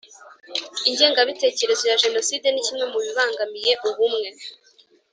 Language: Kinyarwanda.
Ingengabitekerezo ya jenoside ni kimwe mu bibangamiye ubumwe.